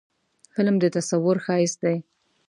فلم د تصور ښایست دی